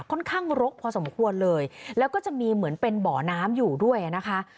ค่อนข้างรกพอสมควรเลยแล้วก็จะมีเหมือนเป็นบ่อน้ำอยู่ด้วยนะคะ